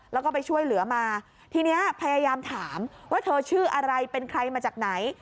แล้วก็ไปช่วยเหลือมาทีนี้พยายามถามว่าเธอชื่ออะไรเป็นใครมาจากไหน